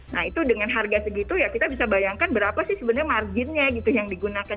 nah itu dengan harga segitu ya kita bisa bayangkan berapa sih sebenarnya marginnya gitu yang digunakan